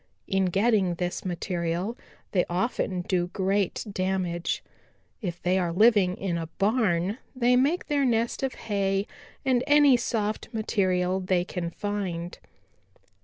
In getting this material they often do great damage. If they are living in a barn, they make their nest of hay and any soft material they can find.